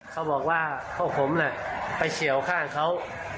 เขาบอกว่าพวกผมไปเฉียวข้างเขา